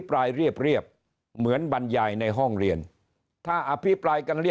ปลายเรียบเหมือนบรรยายในห้องเรียนถ้าอภิปรายกันเรีย